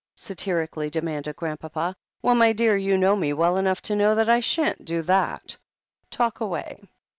*' satirically demanded Grandpapa. "Well, my dear, you know me well enough to know that I shan't do that. Talk away."